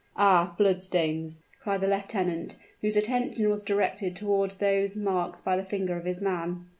"Ah! blood stains!" cried the lieutenant, whose attention was directed toward those marks by the finger of his man.